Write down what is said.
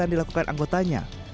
yang dilakukan anggotanya